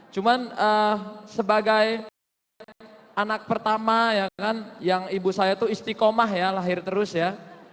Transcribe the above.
cuman sebagai anak pertama yang ibu saya itu istiqomah lahir terus ya